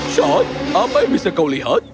shad apa yang bisa kau lihat